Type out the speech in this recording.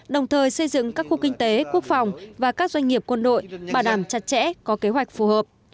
đồng thời xây dựng các khu kinh tế quốc phòng và các doanh nghiệp quân đội bảo đảm chặt chẽ có kế hoạch phù hợp